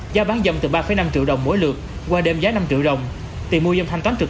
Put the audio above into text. giao bán dâm từ ba năm triệu đồng mỗi lượt qua đêm giá năm triệu đồng tìm mua dâm thanh toán trực